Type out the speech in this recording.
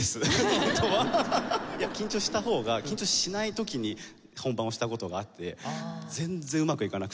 緊張した方が緊張しない時に本番をした事があって全然うまくいかなくて。